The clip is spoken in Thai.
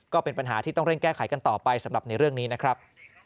ก็เป็นปัญหาที่ต้องเร่งแก้ไขกันต่อไปสำหรับในเรื่องนี้นะครับ